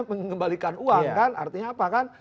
mengembalikan uang kan artinya apa kan